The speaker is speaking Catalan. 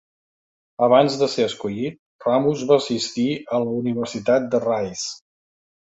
Abans de ser escollit, Ramos va assistir a la Universitat de Rice.